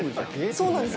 そうなんです。